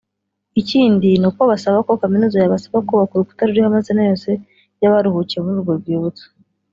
Ikindi ni uko basaba ko Kaminuza yabafasha kubaka urukuta ruriho amazina yose y’abaruhukiye muri urwo rwibutso